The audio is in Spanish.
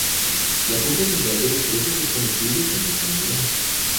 La pulpa central de los frutos es comestible y contiene almidón.